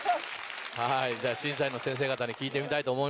はいじゃあ審査員の先生方に聞いてみたいと思います。